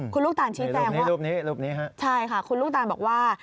คุณลูกตาลชี้แจงว่าใช่ค่ะคุณลูกตาลบอกว่า